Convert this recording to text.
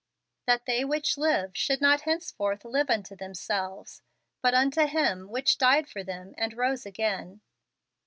" That they which live should not henceforth live unto themselves, but unto him ichich died for them, and rose again."